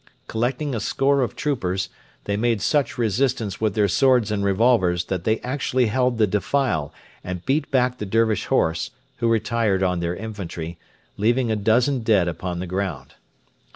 Collecting a score of troopers, they made such resistance with their swords and revolvers that they actually held the defile and beat back the Dervish horse, who retired on their infantry, leaving a dozen dead upon the ground.